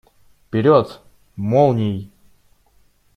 Вперед! Молнией!